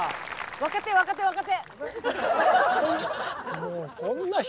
若手若手若手！